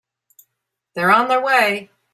They're on their way.